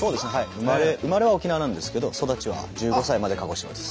生まれは沖縄なんですけど育ちは１５歳まで鹿児島です。